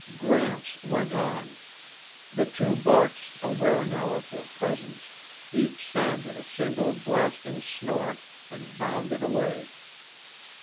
Gramps went on. The two bucks, aware now of their presence, each sounded a single blasting snort and bounded away.